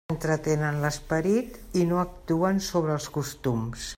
Entretenen l'esperit i no actuen sobre els costums.